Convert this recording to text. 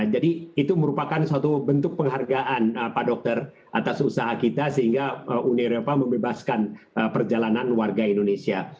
jadi itu merupakan suatu bentuk penghargaan pak dokter atas usaha kita sehingga uni eropa membebaskan perjalanan warga indonesia